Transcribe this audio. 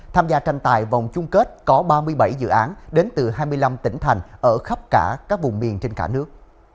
tham gia tranh tài vòng chung kết có ba mươi bảy dự án đến từ hai mươi năm tỉnh thành ở khắp cả các vùng miền trên cả nước